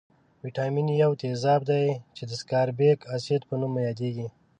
ویتامین یو تیزاب دی چې د سکاربیک اسید په نوم یادیږي.